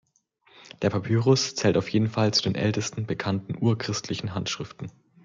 Der Papyrus zählt auf jeden Fall zu den ältesten bekannten urchristlichen Handschriften.